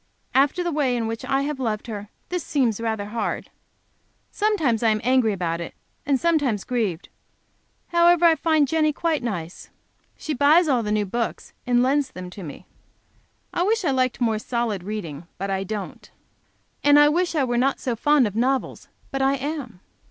After the way in which I have loved her, this seems rather hard. Sometimes I am angry about it, and sometimes grieved. However, I find Jenny quite nice. She buys all the new books and lends them to me. I wish I liked more solid reading; but I don't. And I wish I were not so fond of novels; but I am.